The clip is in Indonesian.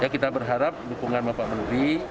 kita berharap dukungan bapak menteri